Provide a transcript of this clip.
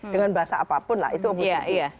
dengan bahasa apapun lah itu obusi